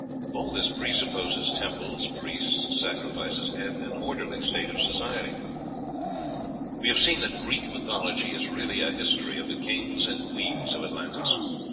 All this presupposes temples, priests, sacrifices, and an orderly state of society. We have seen that Greek mythology is really a history of the kings and queens of Atlantis.